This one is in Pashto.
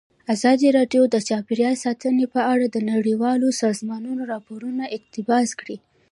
ازادي راډیو د چاپیریال ساتنه په اړه د نړیوالو سازمانونو راپورونه اقتباس کړي.